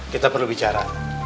kita perlu bicara